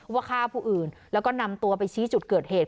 ฆ่าผู้อื่นแล้วก็นำตัวไปชี้จุดเกิดเหตุ